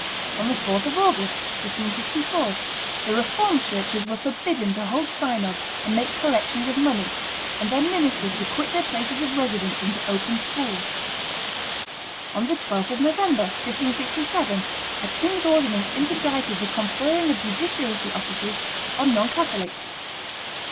On the 4th of August, 1564, the Reformed churches were forbidden to hold synods and make collections of money, and their ministers to quit their places of residence and to open schools. On the 12th of November, 1567, a king's ordinance interdicted the conferring of judiciary offices on non Catholics.